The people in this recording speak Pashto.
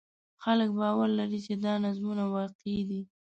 خلک باور لري چې دا نظمونه واقعي دي.